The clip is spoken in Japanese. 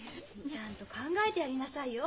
ちゃんと考えてやりなさいよ。